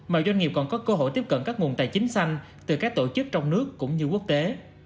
mà doanh nghiệp còn có cơ hội tiếp cận các nguồn tài chính xanh từ các tổ chức trong nước cũng như quốc tế